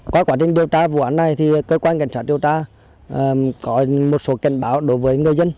qua quá trình điều tra vụ án này thì cơ quan cảnh sát điều tra có một số cảnh báo đối với người dân